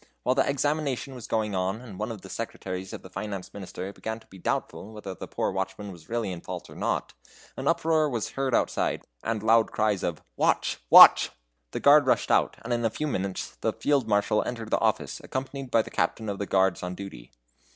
While the examination was going on, and one of the secretaries of the Finance Minister began to be doubtful whether the poor watchman was really in fault or not, an uproar was heard outside, and loud cries of "Watch, watch!" The guard rushed out, and in a few minutes the Field Marshal entered the office, accompanied by the captain of the guards on duty.